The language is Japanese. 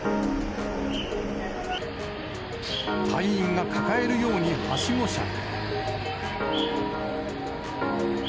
隊員が抱えるように、はしご車へ。